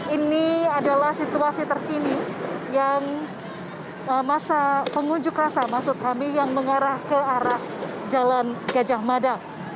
ini adalah situasi terkini yang pengunjuk rasa yang mengarah ke arah jalan gajah mada